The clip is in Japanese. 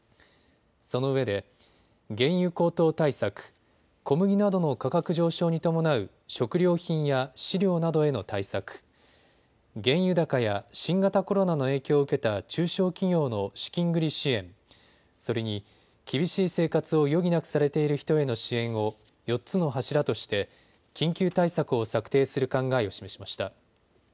そのうえで原油高騰対策、小麦などの価格上昇に伴う食料品や飼料などへの対策、原油高や新型コロナの影響を受けた中小企業の資金繰り支援、それに、厳しい生活を余儀なくされている人への支援を４つの柱として緊急対策を策定する考えを示しました。